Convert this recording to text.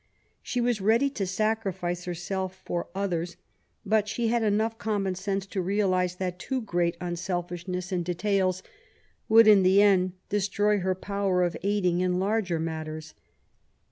She was ready to sacrifice herself for others, but she had enough common sense to realize that too great unselfishness in details would in the end destroy her power of aiding in larger matters.